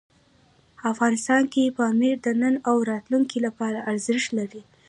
افغانستان کې پامیر د نن او راتلونکي لپاره ارزښت لري.